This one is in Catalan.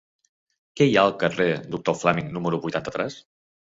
Què hi ha al carrer del Doctor Fleming número vuitanta-tres?